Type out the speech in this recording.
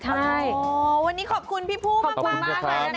จากวันนี้ขอบคุณพี่ภูมิมากใครนะครับ